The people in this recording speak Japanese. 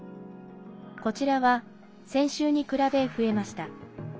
こちらは先週に比べ、増えました。